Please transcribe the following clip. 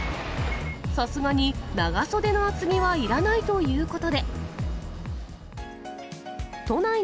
さすがに、長袖の厚着はいらないということで。